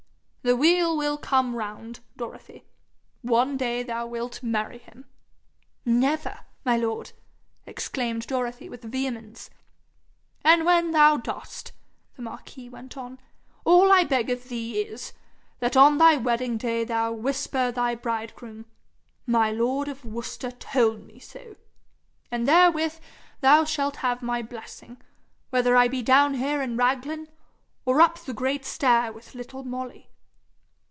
The wheel will come round, Dorothy. One day thou wilt marry him.' 'Never, my lord,' exclaimed Dorothy with vehemence. 'And when thou dost,' the marquis went on, 'all I beg of thee is, that on thy wedding day thou whisper thy bridegroom: "My lord of Worcester told me so;" and therewith thou shalt have my blessing, whether I be down here in Raglan, or up the great stair with little Molly.'